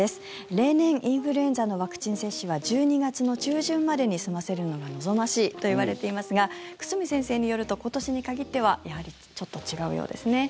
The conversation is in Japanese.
例年、インフルエンザのワクチン接種は１２月の中旬までに済ませるのが望ましいといわれていますが久住先生によると今年に限ってはやはりちょっと違うようですね。